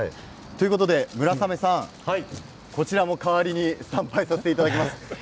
村雨さん、こちらも代わりに参拝させていただきます。